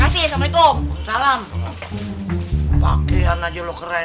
salam pakaian aja lu keren